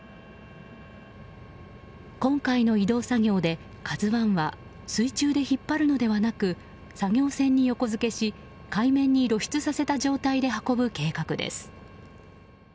今回の移動作業で「ＫＡＺＵ１」は水中で引っ張るのではなく作業船に横付けし海面に露出した状態で運ぶ計画です。